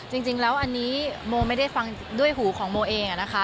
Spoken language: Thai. จริงแล้วอันนี้โมไม่ได้ฟังด้วยหูของโมเองนะคะ